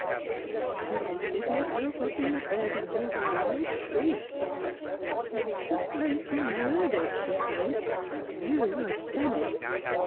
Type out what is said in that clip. ' My lady lifted herself up in the bed and gave a loud shriek. " "Walter Blake is murdered," she cried, " and you have done it."